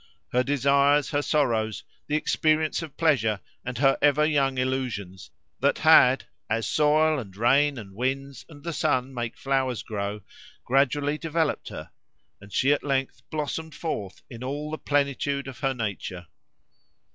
Her desires, her sorrows, the experience of pleasure, and her ever young illusions, that had, as soil and rain and winds and the sun make flowers grow, gradually developed her, and she at length blossomed forth in all the plenitude of her nature.